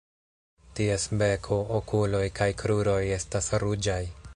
Ties beko, okuloj kaj kruroj estas ruĝaj.